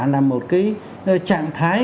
là một cái trạng thái